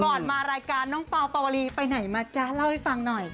มารายการน้องเปล่าปาวลีไปไหนมาจ๊ะเล่าให้ฟังหน่อย